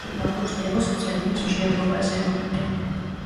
მოზამბიკმა კურსი აიღო სოციალიზმის მშენებლობაზე.